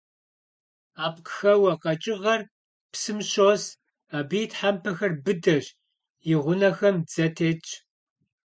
Апкъхэуэ къэкӀыгъэр псым щос, абы и тхьэмпэхэр быдэщ, и гъунэхэм дзэ тетщ.